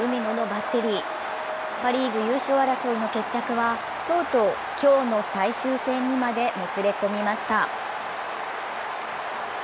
パ・リーグ優勝争いの決着はとうとう今日の最終戦にまでもつれ込みました。